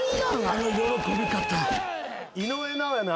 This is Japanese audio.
あの喜び方。